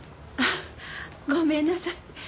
あっごめんなさい。